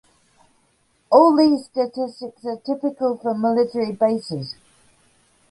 All these statistics are typical for military bases.